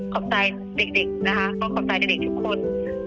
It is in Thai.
ขอบใจเด็กนะคะต้องขอบใจเด็กทุกคน